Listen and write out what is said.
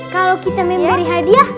kalau kita memberi hadiah